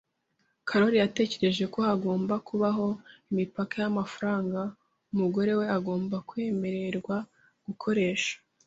Karoli yatekereje ko hagomba kubaho imipaka y’amafaranga umugore we agomba kwemererwa gukoresha.